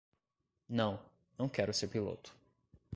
Não, não quero ser piloto.